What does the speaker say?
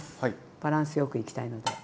バランスよくいきたいので。